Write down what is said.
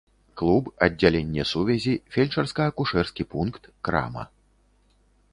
Клуб, аддзяленне сувязі, фельчарска-акушэрскі пункт, крама.